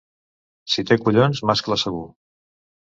Si té collons, mascle segur.